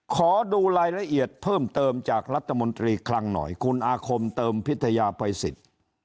ขอดูรายละเอียดเพิ่มเติมจากรัฐมนตรีคลังหน่อยคุณอาคมเติมพิทยาภัยสิทธิ์